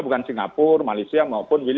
bukan singapura malaysia maupun